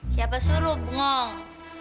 siapa suruh bengong